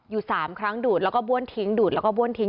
๓ครั้งดูดแล้วก็บ้วนทิ้งดูดแล้วก็บ้วนทิ้